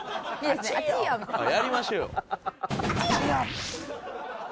やりましょうよ。